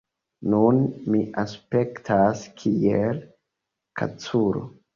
Nun mi aspektas kiel kaculo